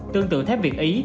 tương tự thép việt ý